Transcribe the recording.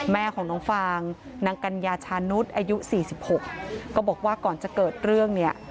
แม่ของน้องฟางนางกัญญาชานุษย์อายุ๔๖ก็บอกว่าก่อนจะเกิดเรื่องเนี่ย